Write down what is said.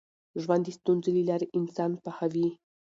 ژوند د ستونزو له لارې انسان پخوي.